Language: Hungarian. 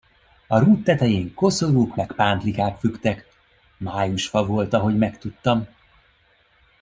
A rúd tetején koszorúk meg pántlikák függtek, májusfa volt, ahogy megtudtam.